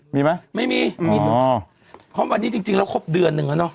เพราะวันนี้จริงแล้วครบเดือนนึง